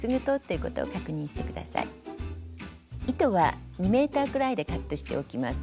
糸は２ｍくらいでカットしておきます。